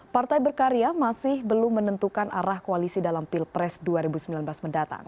partai berkarya masih belum menentukan arah koalisi dalam pilpres dua ribu sembilan belas mendatang